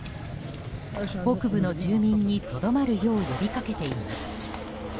北部の住民にとどまるよう呼び掛けています。